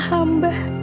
hamba mohon ya allah